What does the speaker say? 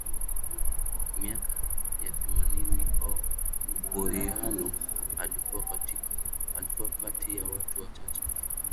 miaka ya themanini O Goiano alikuwa kati ya watu wachache